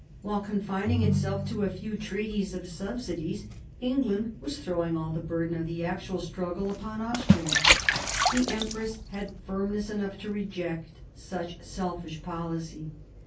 While confining itself to a few treaties of subsidies, England was throwing all the burden of the actual struggle upon Austria. The empress had firmness enough to reject such selfish policy.